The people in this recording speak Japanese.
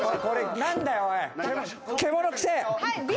これ何だよおい